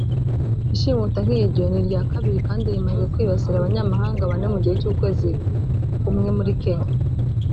Ishimuta nk’iryo ni irya kabiri kandi rimaze kwibasira abanyamahanga bane mu gihe cy’ukwezi kumwe muri Kenya